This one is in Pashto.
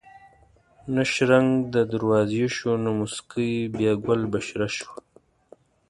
نه شرنګ د دروازې شو نه موسکۍ بیا ګل بشره شوه